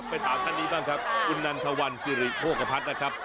ถามท่านนี้บ้างครับคุณนันทวันสิริโภคพัฒน์นะครับ